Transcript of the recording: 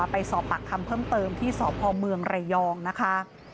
ไปสอบปากคำเพิ่มเติมที่สพเมืองระยองนะคะ